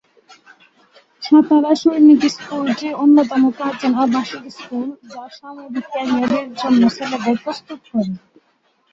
সাতারা সৈনিক স্কুলটি অন্যতম প্রাচীন আবাসিক স্কুল যা সামরিক ক্যারিয়ারের জন্য ছেলেদের প্রস্তুত করে।